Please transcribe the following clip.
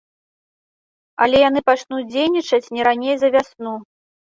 Але яны пачнуць дзейнічаць не раней за вясну.